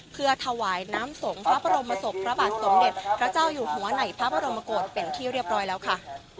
เพื่อถวายน้ำสงฆ์พระบรมศพพระบาทสมเด็จพระเจ้าอยู่หัวในพระบรมกฏเป็นที่เรียบร้อยแล้วค่ะ